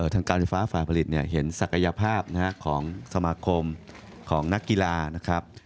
ทางการไฟฟ้าฝ่ายผลิตเนี่ยเห็นศักยภาพของสมาคมของนักกีฬานะครับ